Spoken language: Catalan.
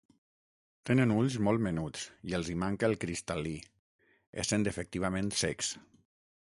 Tenen ulls molt menuts i els hi manca el cristal·lí, essent efectivament cecs.